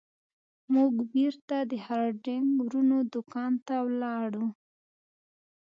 موږ بیرته د هارډینګ ورونو دکان ته لاړو.